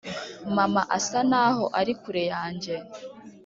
mama asa naho ari kure yanjye